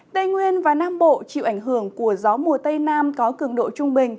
tây nguyên và nam bộ chịu ảnh hưởng của gió mùa tây nam có cường độ trung bình